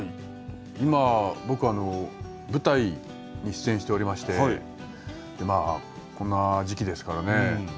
今僕舞台に出演しておりましてこんな時期ですからね